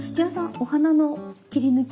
お鼻の切り抜き